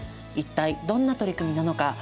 一体どんな取り組みなのか？